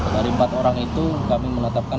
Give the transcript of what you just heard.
dari empat orang itu kami menetapkan